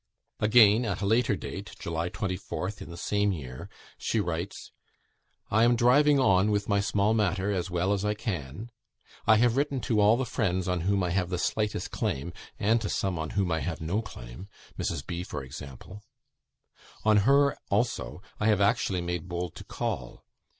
Again, at a later date, July 24th, in the same year, she writes: "I am driving on with my small matter as well as I can. I have written to all the friends on whom I have the slightest claim, and to some on whom I have no claim; Mrs. B., for example. On her, also, I have actually made bold to call.